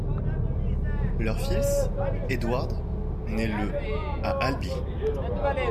Leur fils Eduard naît le à Albi.